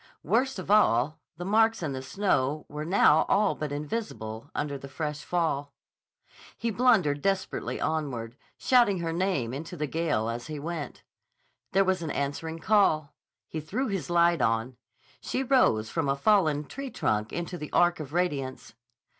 Worst of all, the marks in the snow were now all but invisible under the fresh fall. He blundered desperately onward, shouting her name into the gale as he went. There was an answering call. He threw his light on. She rose from a fallen tree trunk into the arc of radiance.